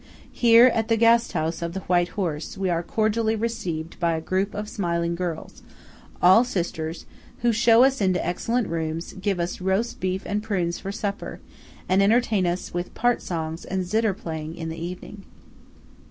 Here, at the Gasthaus of the White Horse, we are cordially received by a group of smiling girls, all sisters, who show us into excellent rooms, give us roast beef and prunes for supper, and entertain us with part songs and zitter playing in the evening.